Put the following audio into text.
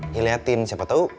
iya liatin siapa tau